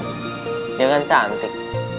dia kan cantik